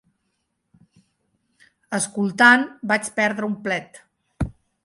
Escoltant vaig perdre un plet.